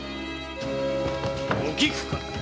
おきくか。